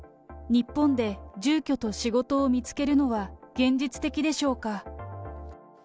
日本で住居と仕事を見つけるのは、現実的でしょうか。